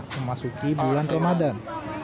memasuki bulan ramadan